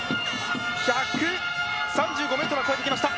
１３５ｍは越えてきました。